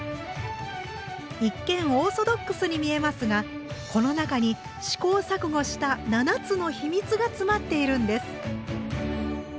一見オーソドックスに見えますがこの中に試行錯誤した７つの秘密が詰まっているんです。